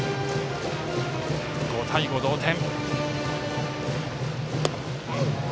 ５対５の同点。